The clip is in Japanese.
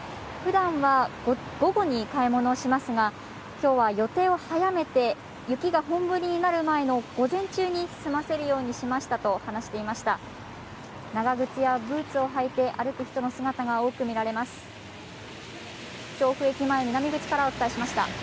ふだんは午後に買い物をしますがきょうは予定を早めて雪が本降りになる前の午前中に済ませるようにしましたと話していました。